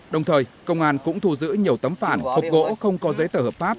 đồng thời công an cũng thu giữ nhiều tấm phản hộp gỗ không có giấy tờ hợp pháp